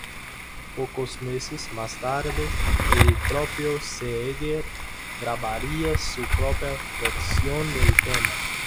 Pocos meses más tarde, el propio Seeger grabaría su propia versión del tema.